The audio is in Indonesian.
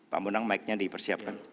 pak benang mic nya dipersiapkan